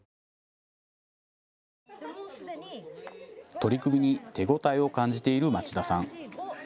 取り組みに手応えを感じている町田さん。